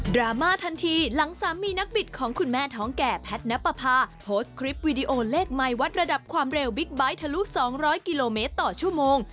รามาทันทีหลังสามีนักบิดของคุณแม่ท้องแก่แพทย์นับประพาโพสต์คลิปวิดีโอเลขไมค์วัดระดับความเร็วบิ๊กไบท์ทะลุ๒๐๐กิโลเมตรต่อชั่วโมง